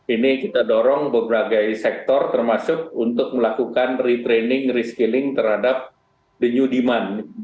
ini kita dorong beberapa sektor termasuk untuk melakukan retraining reskilling terhadap the new demand